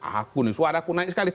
aku nih suara aku naik sekali